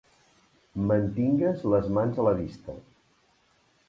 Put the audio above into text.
Mantingues les mans a la vista.